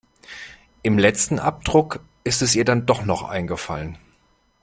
Im letzen Abdruck ist es ihr dann doch noch eingefallen.